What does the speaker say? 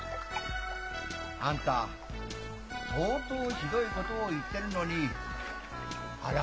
あんた相当ひどいことを言ってるのに腹が立たない。